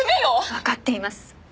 わかっています。